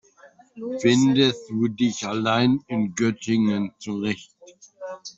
Findest du dich allein in Göttingen zurecht?